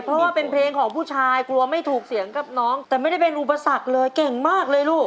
เพราะว่าเป็นเพลงของผู้ชายกลัวไม่ถูกเสียงกับน้องแต่ไม่ได้เป็นอุปสรรคเลยเก่งมากเลยลูก